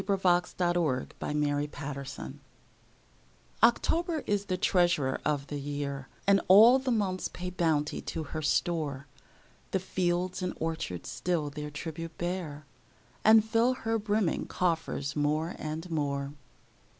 Paul Laurence Dunbar October OCTOBER is the treasurer of the year, And all the months pay bounty to her store: The fields and orchards still their tribute bear, And fill her brimming coffers more and more.